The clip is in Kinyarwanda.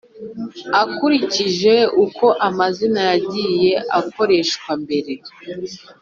Akurikije uko amazi yagiye akoreshwa mbere